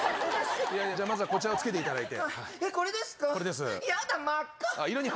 じゃあ、まずはこちらをつけていただいて。